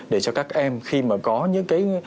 để cho các em khi mà có những cái